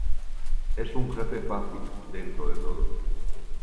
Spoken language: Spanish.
Es un jefe fácil dentro de todo.